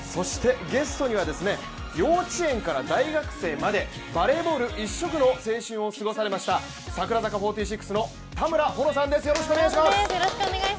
ゲストには幼稚園から大学生までバレーボール一色の青春を過ごされました、櫻坂４６の田村保乃さんです、よろしくお願いします。